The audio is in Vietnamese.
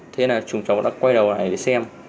thế là chúng chó đã quay đầu lại để xem